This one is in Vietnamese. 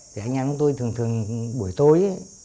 thì anh em của tôi thường thường buổi tối